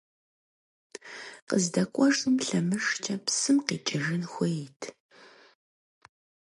КъыздэкӀуэжым лъэмыжкӀэ псым къикӀыжын хуейт.